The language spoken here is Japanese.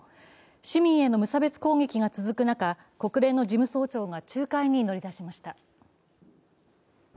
市民への無差別攻撃が続く中、国連の事務総長が仲介に乗り出しました。